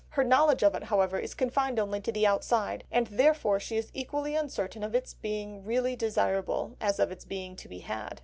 Her knowledge of it, however, is confined only to the outside, and therefore she is equally uncertain of its being really desirable as of its being to be had.